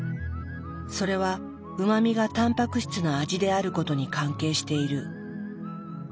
それはうま味がたんぱく質の味であることに関係している。